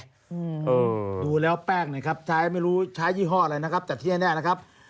อืมเออดูแล้วแป้งเนี่ยครับใช้ไม่รู้ใช้ยี่ห้ออะไรนะครับแต่ที่แน่นะครับ